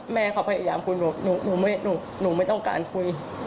แม่เขาพยายามคุยหนูไม่ต้องการคุย